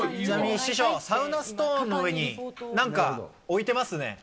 ちなみに師匠、サウナストーンの上になんか置いてますね。